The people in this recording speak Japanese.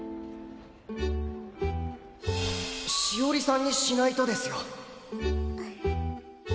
「しおりさん」にしないとですよ。